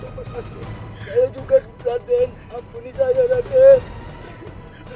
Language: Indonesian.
saya juga raden ampuni saya raden